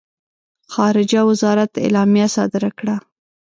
خارجه وزارت اعلامیه صادره کړه.